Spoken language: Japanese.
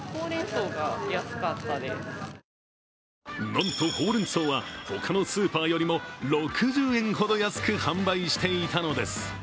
なんとほうれん草は他のスーパーよりも６０円ほど安く販売していたのです。